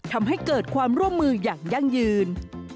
ทำให้เกิดความร่วมมืออย่างยั่งยืน